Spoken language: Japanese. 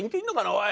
おい。